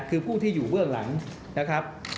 คือผู้ที่อยู่เบื้องหลังนะครับ